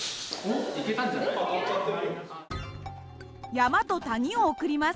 山と谷を送ります。